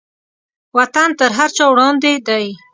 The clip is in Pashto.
وطن تر هر چا وړاندې دی.